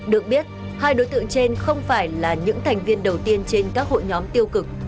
được biết hai đối tượng trên không phải là những thành viên đầu tiên trên các hội nhóm tiêu cực